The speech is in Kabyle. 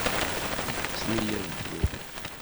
Iḥettem-iyi ad dduɣ.